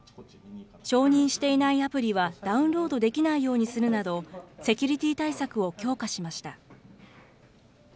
承認していないアプリはダウンロードできないようにするなど、セキュリティー対策を強化しました。